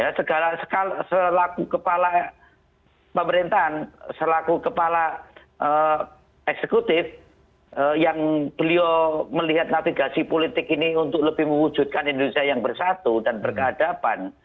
ya selaku kepala pemerintahan selaku kepala eksekutif yang beliau melihat navigasi politik ini untuk lebih mewujudkan indonesia yang bersatu dan berkehadapan